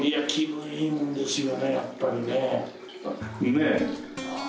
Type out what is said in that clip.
ねえ。